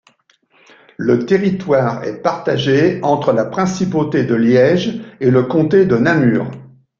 Le territoire est partagé entre la principauté de Liège et le comté de Namur.